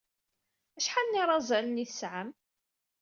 Acḥal n yirazalen ay tesɛam?